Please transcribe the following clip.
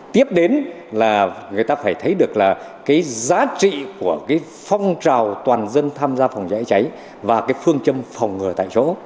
tiếp đến là người ta phải thấy được là cái giá trị của cái phong trào toàn dân tham gia phòng cháy cháy và cái phương châm phòng ngừa tại chỗ